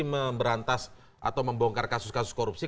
memberantas atau membongkar kasus kasus korupsi